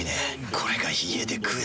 これが家で食えたなら。